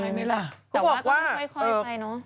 เขาบอกว่าค่อยไปเนอะ